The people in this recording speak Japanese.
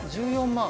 １４万